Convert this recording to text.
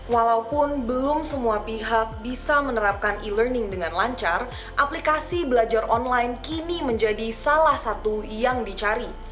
walaupun belum semua pihak bisa menerapkan e learning dengan lancar aplikasi belajar online kini menjadi salah satu yang dicari